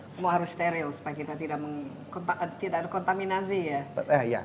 semua harus steril supaya kita tidak ada kontaminasi ya